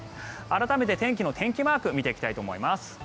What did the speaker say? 改めて天気の天気マーク見ていきたいと思います。